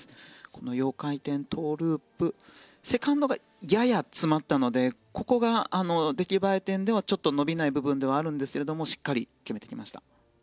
この４回転トウループセカンドがやや詰まったのでここが出来栄え点ではちょっと伸びない部分ではあるんですがしっかり決めてきました。